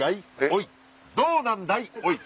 おいどうなんだい？